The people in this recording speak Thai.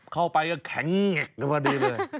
เข้าไปก็แข็งกันพอดีเลย